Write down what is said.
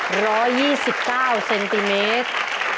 นี่ก็คือ๑๒๙เซนติเมตร